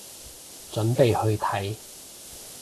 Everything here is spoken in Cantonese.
準備去睇